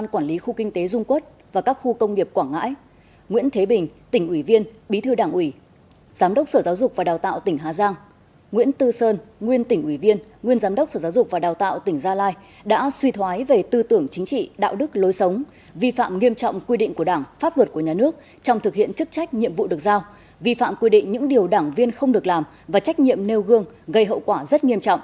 quản lý khu kinh tế dung quốc và các khu công nghiệp quảng ngãi nguyễn thế bình tỉnh ủy viên bí thư đảng ủy giám đốc sở giáo dục và đào tạo tỉnh hà giang nguyễn tư sơn nguyên tỉnh ủy viên nguyên giám đốc sở giáo dục và đào tạo tỉnh gia lai đã suy thoái về tư tưởng chính trị đạo đức lối sống vi phạm nghiêm trọng quy định của đảng pháp luật của nhà nước trong thực hiện chức trách nhiệm vụ được giao vi phạm quy định những điều đảng viên không được làm và trách nhiệm nêu gương gây hậu quả